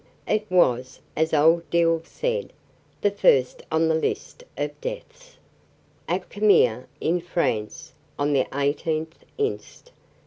It was, as old Dill said, the first on the list of deaths: "At Cammere, in France, on the 18th inst.